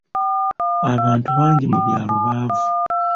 Abantu bangi mu byalo baavu.